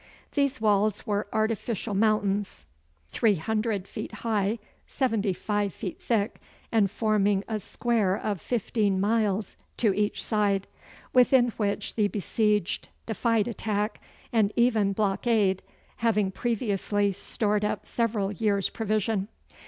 These walls were artificial mountains (three hundred feet high, seventy five feet thick, and forming a square of fifteen miles to each side), within which the besieged defied attack, and even blockade, having previously stored up several years' provision.